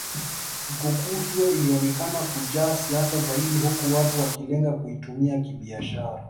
Sikukuu hiyo ilionekana kujaa siasa zaidi huku watu wakilenga kuitumia kibiashara